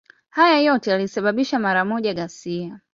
Hayo yote yalisababisha mara moja ghasia.